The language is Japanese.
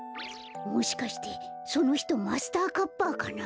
もしかしてそのひとマスターカッパーかな？